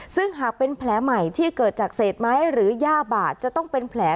ซึ่งหากเป็นแผลใหม่ที่เกิดจากเศษไม้หรือย่าบาดจะต้องเป็นแผล